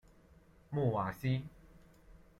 穆瓦西。